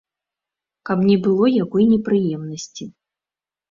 Каб не было якой непрыемнасці.